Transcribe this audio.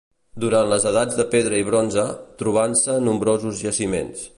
Durant les edats de Pedra i Bronze, trobant-se nombrosos jaciments.